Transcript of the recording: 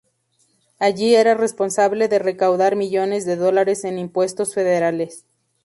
Allí era responsable de recaudar millones de dólares en impuestos federales.